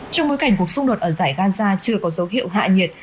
trong bối cảnh cuộc xung đột ở giải gaza chưa có dấu hiệu hạ nhiệt